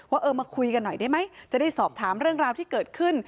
ว่าเออมาคุยกันหน่อยได้ไหมจะได้สอบถามเรื่องราวที่เกิดขึ้น